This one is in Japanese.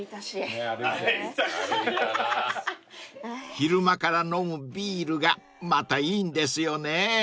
［昼間から飲むビールがまたいいんですよね］